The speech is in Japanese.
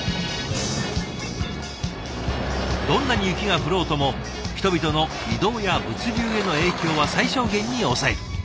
どんなに雪が降ろうとも人々の移動や物流への影響は最小限に抑える。